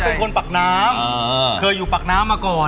เป็นคนปากน้ำเคยอยู่ปากน้ำมาก่อน